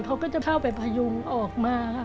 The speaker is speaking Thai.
เขาก็จะเข้าไปพยุงออกมาค่ะ